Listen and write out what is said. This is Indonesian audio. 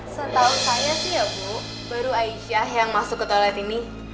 setahu saya sih ya bu baru aisyah yang masuk ke toilet ini